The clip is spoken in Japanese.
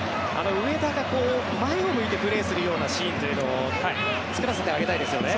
上田が前を向いてプレーするようなシーンというのを作らせてあげたいですね。